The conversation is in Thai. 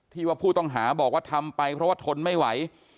ว่าผู้ต้องหาบอกว่าทำไปเพราะว่าทนไม่ไหว